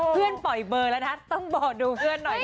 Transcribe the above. ปล่อยเบอร์แล้วนะต้องบอกดูเพื่อนหน่อย